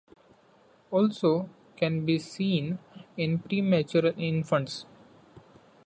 Also can be seen in premature infants.